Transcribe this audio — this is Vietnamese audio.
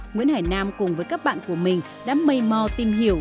nguyễn hải nam cùng với các bạn của mình đã mây mò tìm hiểu